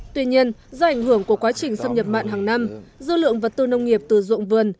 tuy nhiên do ảnh hưởng của quá trình xâm nhập mặn hàng năm dư lượng vật tư nông nghiệp từ ruộng vườn